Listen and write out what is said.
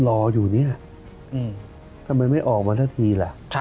รออยู่เนี่ยทำไมไม่ออกมาสักทีล่ะ